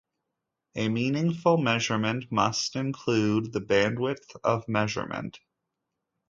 A meaningful measurement must include the bandwidth of measurement.